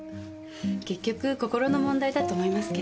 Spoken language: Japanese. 結局心の問題だと思いますけど。